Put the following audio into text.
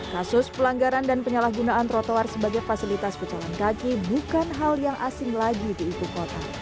kasus pelanggaran dan penyalahgunaan trotoar sebagai fasilitas pejalan kaki bukan hal yang asing lagi di ibu kota